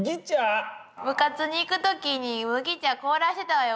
部活に行く時に麦茶凍らせたわよ